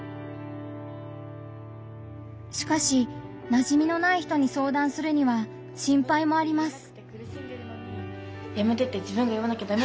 しかしなじみのない人に相談するには心配もあります。